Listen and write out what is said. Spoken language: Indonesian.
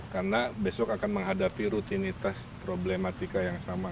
karena besok akan menghadapi rutinitas problematika yang sama